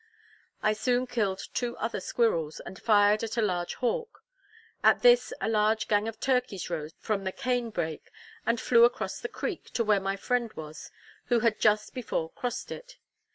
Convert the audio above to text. I soon killed two other squirrels, and fired at a large hawk. At this a large gang of turkeys rose from the cane brake, and flew across the creek to where my friend was, who had just before crossed it.